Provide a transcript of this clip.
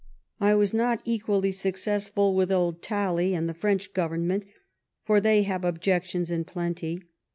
I was not equally suc cessful with old Talley and the French Goyemment, for they have objections in plenty.